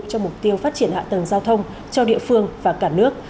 cho mục tiêu phát triển hạ tầng giao thông cho địa phương và cả nước